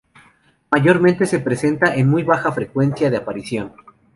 Mayormente se presenta en muy baja frecuencia de aparición.